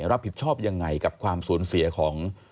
รับผิดชอบยังไงกับความสูญเสียของ